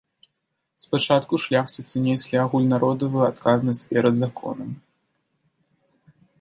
Спачатку шляхціцы неслі агульнародавую адказнасць перад законам.